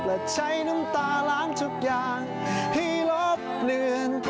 ใช้น้ำตาล้างทุกอย่างให้ลบเปลี่ยน